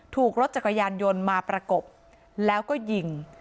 ถูกรถจักรยานยนต์มาประกบแล้วก็ยิง